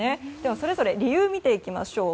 それぞれ理由を見ていきましょう。